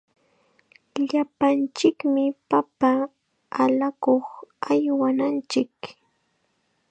Llapanchikmi papa allakuq aywananchik.